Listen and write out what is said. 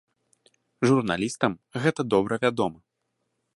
Журналістам гэта добра вядома.